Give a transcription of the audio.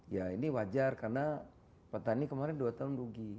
ya ini wajar karena petani kemarin dua tahun rugi